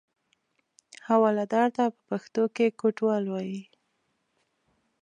حوالهدار ته په پښتو کې کوټوال وایي.